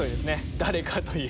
誰か？という。